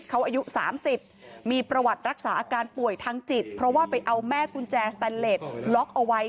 เขาอายุ๓๐มีประวัติรักษาอาการป่วยทางจิตเพราะว่าไปเอาแม่กุญแจสแตนเล็ตล็อกเอาไว้